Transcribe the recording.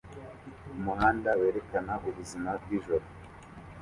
Umuhanda werekana ubuzima bwijoro